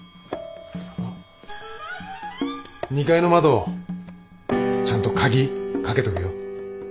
２階の窓ちゃんと鍵かけとけよ。